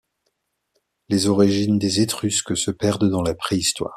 Les origines des Étrusques se perdent dans la préhistoire.